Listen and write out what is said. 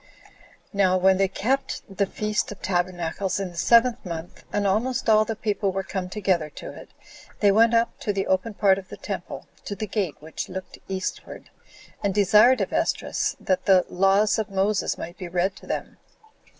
5. Now when they kept the feast of tabernacles in the seventh month 10 and almost all the people were come together to it, they went up to the open part of the temple, to the gate which looked eastward, and desired of Esdras that the laws of Moses might be read to them.